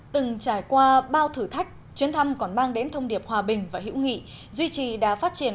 từng trải qua bao thử thách chuyến thăm còn mang đến thông điệp hòa bình và hữu nghị duy trì đá phát triển